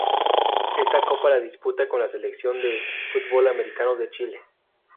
Esta copa la disputa con la Selección de fútbol americano de Chile.